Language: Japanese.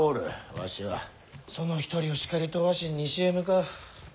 わしはその一人を叱り飛ばしに西へ向かう。